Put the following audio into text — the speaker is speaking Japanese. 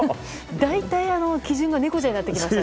大体、基準が猫ちゃんになってきましたね。